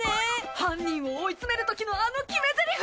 犯人を追い詰めるときのあの決めゼリフ！